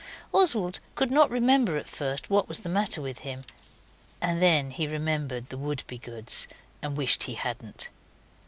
Oswald could not remember at first what was the matter with him, and then he remembered the Wouldbegoods, and wished he hadn't.